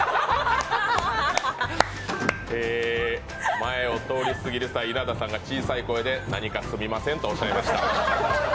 前を通りすぎる際、稲田さんが小さい声で「何かすみません」とおっしゃいました。